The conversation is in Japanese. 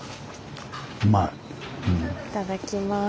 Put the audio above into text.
いただきます。